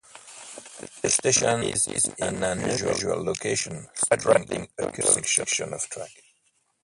The station is in an unusual location straddling a curved section of track.